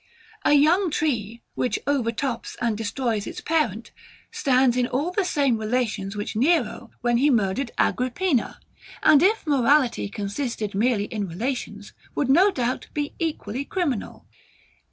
A young tree, which over tops and destroys its parent, stands in all the same relations with Nero, when he murdered Agrippina; and if morality consisted merely in relations, would no doubt be equally criminal.